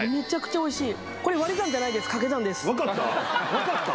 ・分かった？